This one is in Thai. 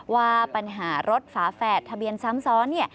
ว่าปัญหารถฝาแฝดทะเบียนซ้ำซ้อน